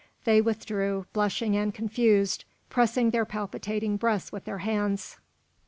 They withdrew, blushing and confused, pressing their palpitating breasts with their hands.